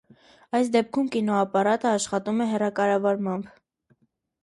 Այս դեպքում կինոապարատը աշխատում է հեռակառավարմամբ։